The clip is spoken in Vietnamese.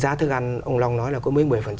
giá thức ăn ông long nói là có mấy mươi